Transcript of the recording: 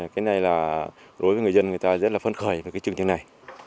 cái này là đối với người dân người ta rất là phấn khởi với cái chương trình này